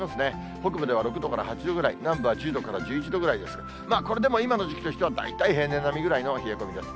北部では６度から８度ぐらい、南部は１０度から１１度ぐらいですけど、これでも今の時期としては、大体平年並みぐらいの冷え込みです。